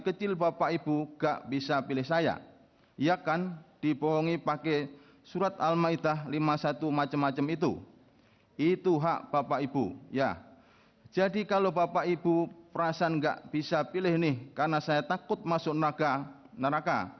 keterangan ahli surat petunjuk